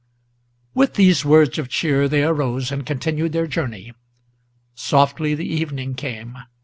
With these words of cheer they arose and continued their journey. Softly the evening came.